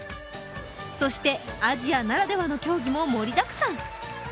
そしてアジアならではの競技も盛りだくさん。